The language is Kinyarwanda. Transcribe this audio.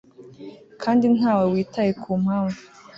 kandi ntawe witaye ku mpamvu